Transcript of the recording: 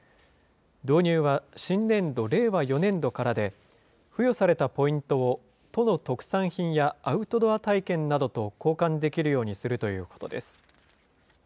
導入は新年度・令和４年度からで、付与されたポイントを、都の特産品やアウトドア体験などと交換できるようにするということです。